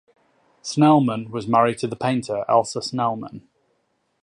Snellman was married to the painter Elsa Snellman.